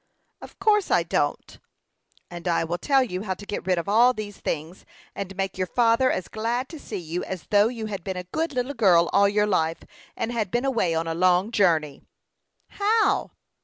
"Of course I don't." "And I will tell you how to get rid of all these things, and make your father as glad to see you as though you had been a good little girl all your life, and had been away on a long journey." "How?"